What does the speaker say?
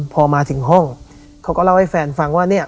พอมาถึงห้องเขาก็เล่าให้แฟนฟังว่าเนี่ย